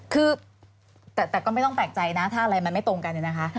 คือแต่ก็ไม่ต้องแปลกใจนะถ้าอะไรมันไม่ตรงกันเนี่ยนะคะ